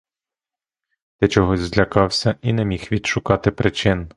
Ти чогось злякався і не міг відшукати причин.